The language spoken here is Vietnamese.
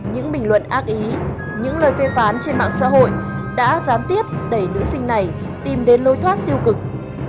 những bình luận ác ý những lời phê phán trên mạng xã hội đã gián tiếp đẩy nữ sinh này tìm đến lối thoát tiêu cực